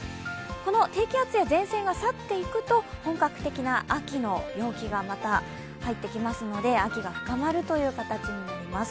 この低気圧や前線が去っていくと、本格的な秋の陽気がまた入ってきますので秋が深まるという形になります。